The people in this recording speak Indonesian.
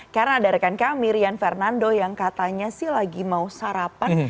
karena ada rekan kami rian fernando yang katanya sih lagi mau sarapan